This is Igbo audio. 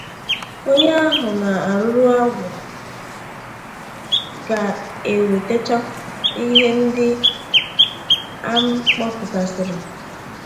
onye ahụ a na-arụrụ agwụ ga-ewètecha ihe ndị a m kpọpụtasịrị